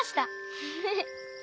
フフフ。